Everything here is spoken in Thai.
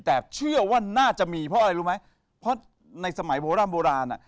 แต่เชื่อว่าน่าจะมีเพราะอะไรรู้ไหมเพราะในสมัยโบร่ำโบราณอ่ะ